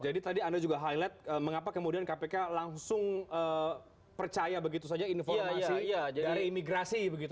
jadi tadi anda juga highlight mengapa kemudian kpk langsung percaya begitu saja informasi dari imigrasi begitu